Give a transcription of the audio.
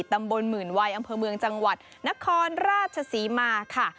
ตำบลหมื่นวัยอำเภอเมืองจังหวัดนครราชศรีมาค่ะ